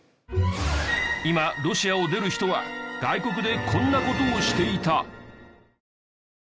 今ロシアを出る人は外国でこんな事をしていた。